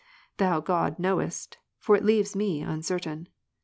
Thou God know^est, for it leaves me uncertain.